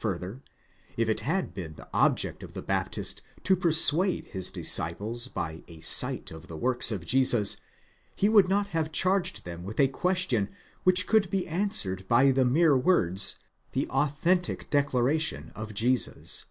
Further, if it had been the object of the Baptist to persuade his disciples by a sight of the works of Jesus, he would not have charged them with a question which could be answered by the mere words, the authentic declaration of Jesus.